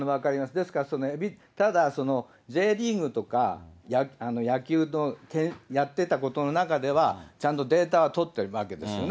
ですから、ただ、Ｊリーグとか野球のやってたことの中では、ちゃんとデータは取ってるわけですよね。